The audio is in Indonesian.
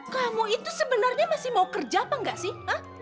kamu itu sebenernya masih mau kerja apa ga sih